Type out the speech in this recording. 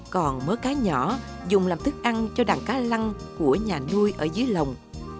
còn mớ cá nhỏ dùng làm thức ăn cho đàn cá lăng của nhà nuôi ở dưới lồng